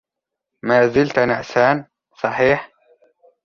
ما زلت نعسان ، صحيح؟